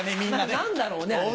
何だろうねあれ。